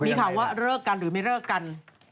มีข่าวว่าเลิกกันหรือไม่เลิกกัน